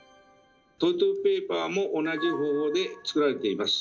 トイレットペーパーも同じ方法でつくられています。